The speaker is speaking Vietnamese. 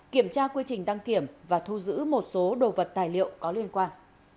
kiểm tra quy trình đăng kiểm và thu giữ một số đồ vật tài liệu có liên quan